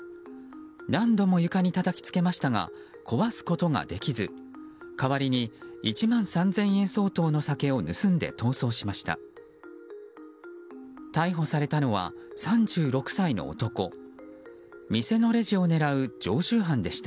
何度も床にたたきつけましたが壊すことができず代わりに１万３０００円相当の酒を盗んで逃走しました。